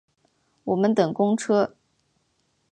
我们等公车